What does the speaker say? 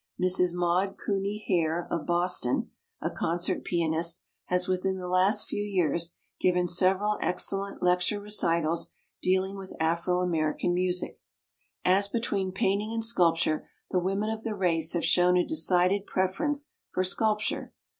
Mrs. Maud Cuney Hare, of Boston, a concert pianist, has within the last few years given several ex cellent lecture recitals dealing with Afro American music. As between painting and sculpture the women of the race have shown a decided preference for sculpture.